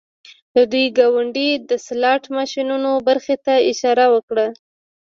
د دوی ګاونډۍ د سلاټ ماشینونو برخې ته اشاره وکړه